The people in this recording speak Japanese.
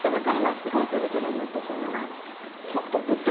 すごいサラサラになっていってるのが。